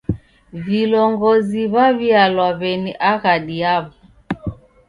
Vilongozi w'aw'ialwa w'eni aghadi yaw'o.